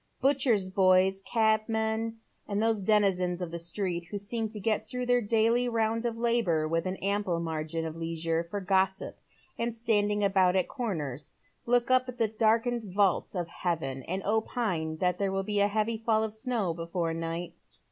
Butchers' boys, cabmen, and those denizens of the street who seem to get through their daily round of labour with an ample margin of leisure for gossip and standing about at corners, look up at the darkened vault of heaven and opine that there will be a heavy fall of snow before night.